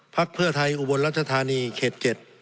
เพื่อไทยอุบลรัชธานีเขต๗